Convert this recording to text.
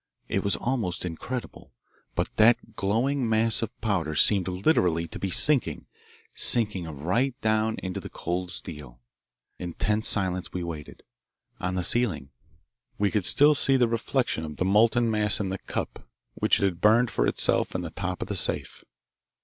It was almost incredible, but that glowing mass of powder seemed literally to be sinking, sinking right down into the cold steel. In tense silence we waited. On the ceiling we could still see the reflection of the molten mass in the cup which it had burned for itself in the top of the safe.